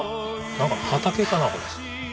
何か畑かなこれ。